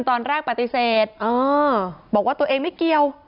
ตอนแรกปฏิเสธบอกว่าตัวเองไม่เกี่ยว